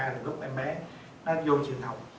là lúc em bé nó vô trường học